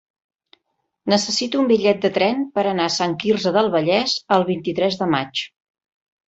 Necessito un bitllet de tren per anar a Sant Quirze del Vallès el vint-i-tres de maig.